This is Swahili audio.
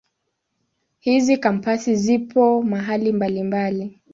Hizi Kampasi zipo mahali mbalimbali.